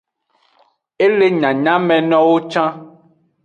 E le nyanyamenowo can.